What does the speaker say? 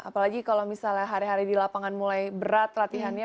apalagi kalau misalnya hari hari di lapangan mulai berat latihannya